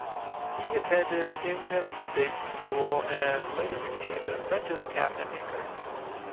He attended Ingham State School and later became an apprentice cabinet-maker.